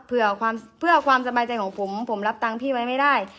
เพื่อความสบายใจของผมผมรับตังค์พี่ไว้ไม่ได้